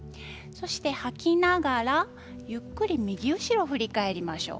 そして、吐きながらゆっくり右後ろを振り返りましょう。